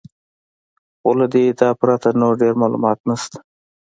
خو له دې ادعا پرته نور ډېر معلومات نشته.